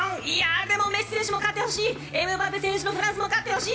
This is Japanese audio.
でも、メッシ選手も勝ってほしいエムバペ選手のフランスも勝ってほしい。